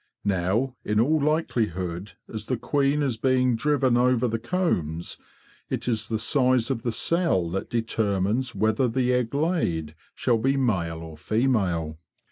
Now, in all likelihood, as the queen is being driven over the combs, it is the size of the cell that determines whether the egg laid shall be male or female.